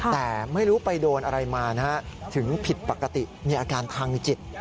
แต่ไม่รู้ไปโดนอะไรมาถึงผิดปกติมีอาการทางจิต